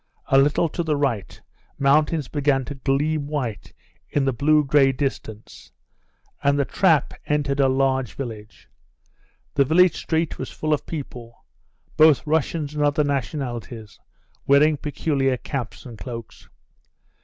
A little to the right mountains began to gleam white in the blue grey distance, and the trap entered a large village. The village street was full of people, both Russians and other nationalities, wearing peculiar caps and cloaks.